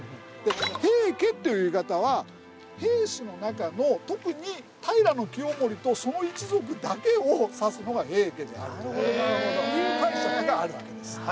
「平家」っていう言い方は平氏の中の特に平清盛とその一族だけを指すのが平家であるという解釈があるわけです。